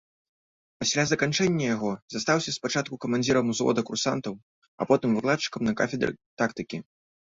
Пасля заканчэння яго застаўся спачатку камандзірам узвода курсантаў, а потым выкладчыкам на кафедры тактыкі.